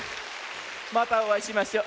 またおあいしましょ。